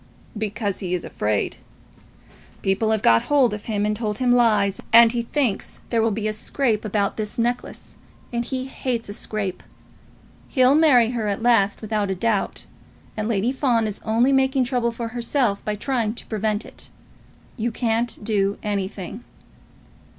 "Because he is afraid. People have got hold of him and told him lies, and he thinks there will be a scrape about this necklace, and he hates a scrape. He'll marry her at last, without a doubt, and Lady Fawn is only making trouble for herself by trying to prevent it. You can't do anything."